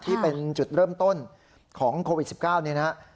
ที่เป็นจุดเริ่มต้นของโควิด๑๙นี่นะครับ